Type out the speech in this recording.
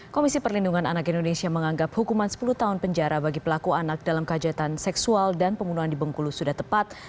komisi perlindungan anak indonesia menganggap hukuman sepuluh tahun penjara bagi pelaku anak dalam kajatan seksual dan pembunuhan di bengkulu sudah tepat